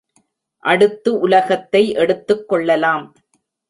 அடுத்து உலகத்தை எடுத்துக்கொள்ளலாம்.